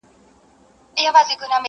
هسي نه چي په دنیا پسي زهیر یم »؛